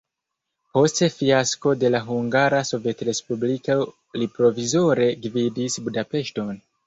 Post fiasko de la Hungara Sovetrespubliko li provizore gvidis Budapeŝton.